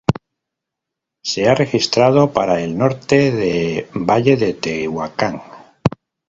Se ha registrado para el norte de Valle de Tehuacán.